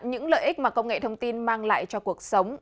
những lợi ích mà công nghệ thông tin mang lại cho cuộc sống